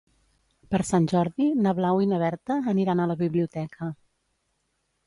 Per Sant Jordi na Blau i na Berta aniran a la biblioteca.